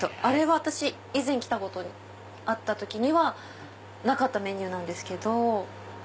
あれは私以前来た時にはなかったメニューなんですけど。